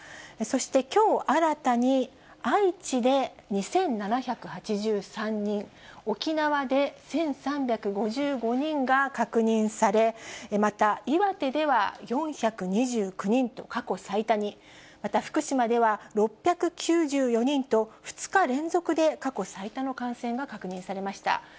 そして、きょう新たに愛知で２７８３人、沖縄で１３５５人が確認され、また、岩手では４２９人と過去最多に、また福島では６９４人と、２日連続で過去最多の感染が確認されました。